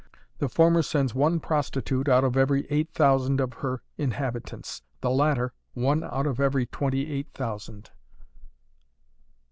The former sends one prostitute out of every eight thousand of her inhabitants; the latter, one out of every twenty eight thousand.